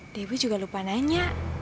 dewi juga lupa nanya